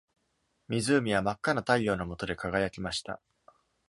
湖は真っ赤な太陽の下で輝きました。